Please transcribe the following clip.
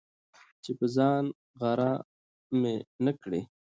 چي په ځان غره مي نه کړې،